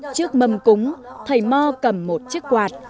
trước mâm cúng thầy mo cầm một chiếc quạt